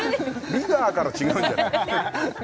ビガーから違うんじゃない？